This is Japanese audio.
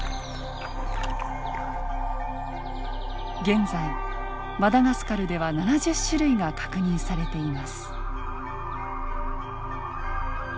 現在マダガスカルでは７０種類が確認されています。